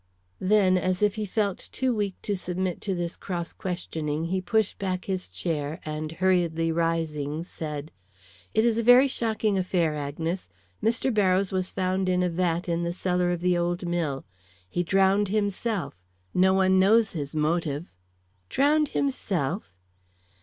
Then, as if he felt himself too weak to submit to this cross questioning, he pushed back his chair, and, hurriedly rising, said: "It is a very shocking affair, Agnes. Mr. Barrows was found in a vat in the cellar of the old mill. He drowned himself. No one knows his motive." "Drowned _himself?